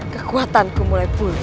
kekuatanku mulai pulih